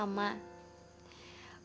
mungkin bapak bisa mengendalikan istri